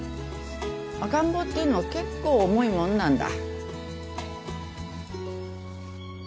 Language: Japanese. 赤ん坊っていうのは結構重いもんなんだ。